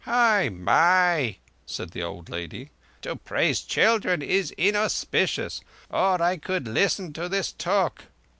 "Hai mai!" said the old lady. "To praise children is inauspicious, or I could listen to this talk.